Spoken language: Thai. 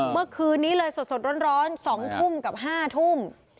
เมื่อคืนนี้เลยสดร้อน๒ทุ่มกับ๕ทุ่ม